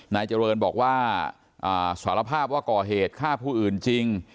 นายเจริญบอกว่าสารภาพว่าก่อเหตุฆ่าผู้อื่นจริง